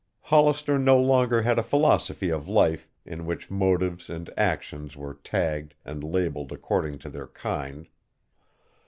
Hollister no longer had a philosophy of life in which motives and actions were tagged and labeled according to their kind.